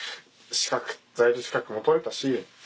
在留資格も取れたし。